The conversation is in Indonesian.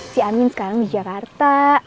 si amin sekarang di jakarta